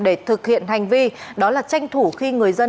để thực hiện hành vi đó là tranh thủ khi người dân